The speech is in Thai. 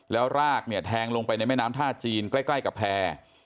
แล้วรากเนี่ยแทงลงไปในแม่น้ำท่าจีนใกล้กับแพร่